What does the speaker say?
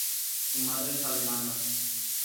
Su madre es alemana.